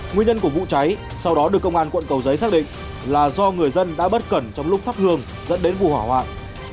nguyên nhân của vụ cháy sau đó được công an quận cầu giấy xác định là do người dân đã bất cẩn trong lúc thắp hương dẫn đến vụ hỏa hoạn